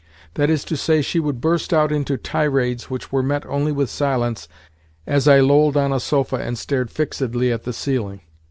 That is to say, she would burst out into tirades which were met only with silence as I lolled on a sofa and stared fixedly at the ceiling.